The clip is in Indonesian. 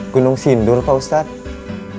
gunung sindur pak ustadz